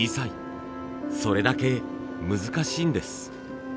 それだけ難しいんです。